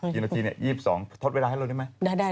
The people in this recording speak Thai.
กี่นาที๒๒ทดเวลาให้เราได้ไหม